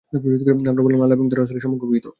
আমরা বললাম, আল্লাহ এবং তাঁর রাসূলই সম্যক অবহিত।